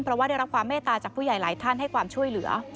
เพราะว่าได้รับความเมตตาจากผู้ใหญ่หลายท่านให้ความช่วยเหลือ